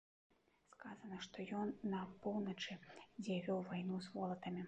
Сказана, што ён на поўначы, дзе вёў вайну з волатамі.